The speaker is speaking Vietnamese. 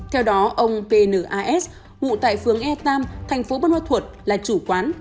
theo đó ông pnas ngụ tại phường e tam thành phố bơ hoa thuột là chủ quán